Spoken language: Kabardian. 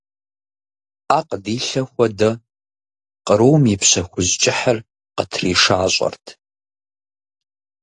Ӏэ къыдилъэ хуэдэ, кърум и пщэ хужь кӀыхьыр къытришащӀэрт.